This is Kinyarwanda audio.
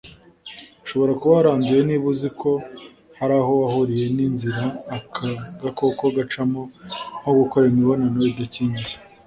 ushobora kuba waranduye niba uzi ko hari aho wahuriye n’inzira aka gakoko gacamo nko gukora imibonano idakingiye